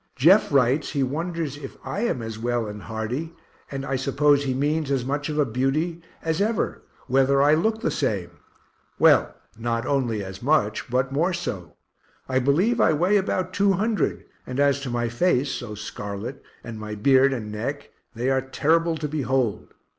Jeff writes he wonders if I am as well and hearty, and I suppose he means as much of a beauty as ever, whether I look the same. Well, not only as much but more so I believe I weigh about 200, and as to my face, (so scarlet,) and my beard and neck, they are terrible to behold.